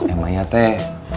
emang ya teh